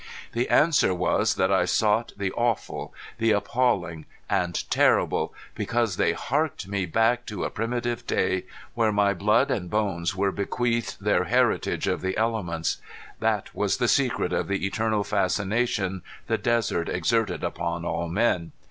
The answer was that I sought the awful, the appalling and terrible because they harked me back to a primitive day where my blood and bones were bequeathed their heritage of the elements. That was the secret of the eternal fascination the desert exerted upon all men.